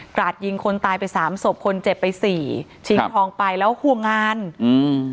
ราดยิงคนตายไปสามศพคนเจ็บไปสี่ชิงทองไปแล้วห่วงงานอืม